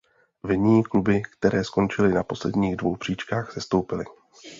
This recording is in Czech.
V ní kluby které skončili na posledních dvou příčkách sestoupili.